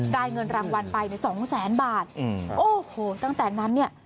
ได้เงินรางวัลไปในสองแสนบาทอืมโอ้โหตั้งแต่นั้นเนี่ย